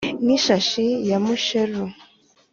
nk'ishashi ya musheru